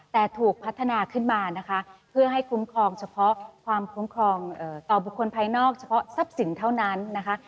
แต่ถูกพัฒนาขึ้นมานะคะเพื่อให้คุ้มครองเฉพาะความคุ้มครองต่อบุคคลภายนอกเฉพาะทรัพย์สินเท่านั้นนะคะ